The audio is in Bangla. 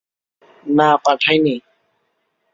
না, পাঠাই নি।